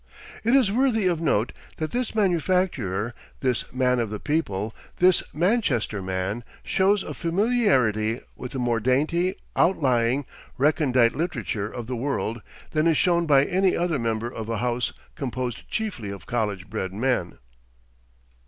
It is worthy of note that this manufacturer, this man of the people, this Manchester man, shows a familiarity with the more dainty, outlying, recondite literature of the world than is shown by any other member of a house composed chiefly of college bred men.